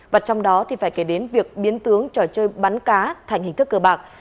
và trong đó thì phải kể đến việc biến tướng trò chơi bắn cá thành hình thức cờ bạc